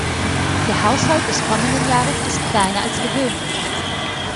Der Haushalt des kommenden Jahres ist kleiner als gewöhnlich.